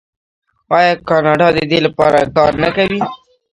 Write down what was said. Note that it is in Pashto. آیا کاناډا د دې لپاره کار نه کوي؟